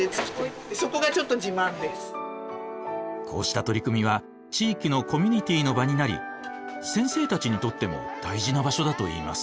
こうした取り組みは地域のコミュニティーの場になり先生たちにとっても大事な場所だといいます。